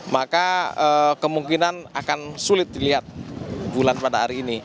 maka kemungkinan akan sulit dilihat bulan pada hari ini